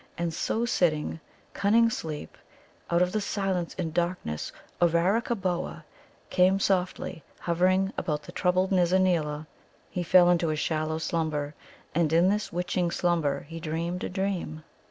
And so sitting, cunning Sleep, out of the silence and darkness of Arakkaboa, came softly hovering above the troubled Nizza neela; he fell into a shallow slumber. And in this witching slumber he dreamed a dream.